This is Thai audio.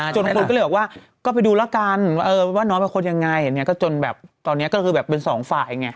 คนก็เลยบอกว่าก็ไปดูแล้วกันว่าน้องเป็นคนยังไงเนี่ยก็จนแบบตอนนี้ก็คือแบบเป็นสองฝ่ายไง